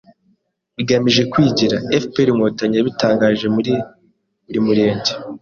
bigamije kwigira; FPR innkotanyi yabitangaje muri buri murenge